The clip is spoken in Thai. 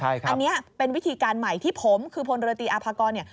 อันนี้เป็นวิธีการใหม่ที่ผมคือพลเรือตีอาภากรเนี่ย